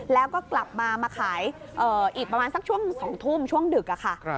แล้วก็กลับมามาขายอีกประมาณสักช่วง๒ทุ่มช่วงดึกค่ะ